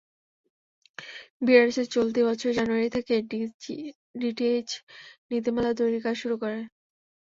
BTRC চলতি বছরের জানুয়ারি থেকে ডিটিএইচ নীতিমালা তৈরির কাজ শুরু করে।